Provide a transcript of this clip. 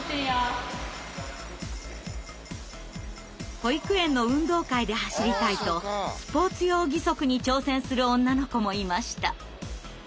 保育園の運動会で走りたいとスポーツ用義足に挑戦する女の子もいました。